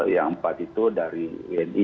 yang empat itu dari wni